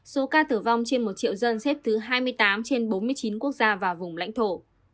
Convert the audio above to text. số ca tử vong trên một triệu dân xếp thứ hai mươi tám trên bốn mươi chín quốc gia và vùng lãnh thổ